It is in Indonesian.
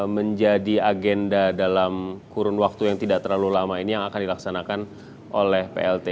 menjadi agenda dalam kurun waktu yang tidak terlalu lama ini yang akan dilaksanakan oleh plt